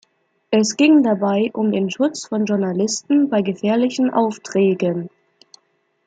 Es ging dabei um den Schutz von Journalisten bei gefährlichen Aufträgen.